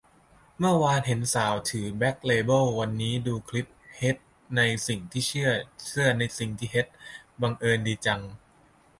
เมื่อวานเห็นสาวถือแบ็คเลเบิล วันนี้ดูคลิป "เฮ็ดในสิ่งที่เซื่อ เซื่อในสิ่งที่เฮ็ด" บังเอิญดีจัง